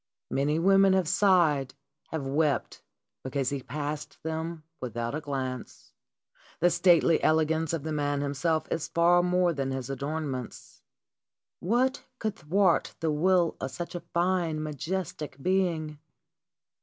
Many women have sighed, have wept, because he passed them without a glance. The stately elegance of the man himself is far more than his adornments. What could thwart the will of such a fine, majestic being